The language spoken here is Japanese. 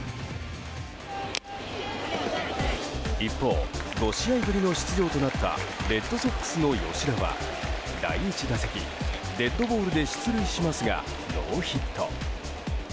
一方、５試合ぶりの出場となったレッドソックスの吉田は第１打席、デッドボールで出塁しますがノーヒット。